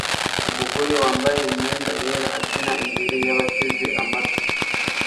Umugore wambaye imyenda yera abyina imbere yabateze amatwi